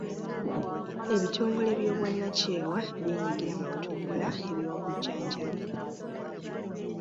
Ebitongole by'obwannakyewa byenyigira mu kutumbula eby'obujjanjabi.